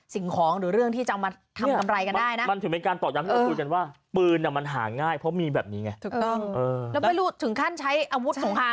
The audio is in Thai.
สิ่งของหรือเรื่องที่จะเอามาทำกำไรกันได้นะ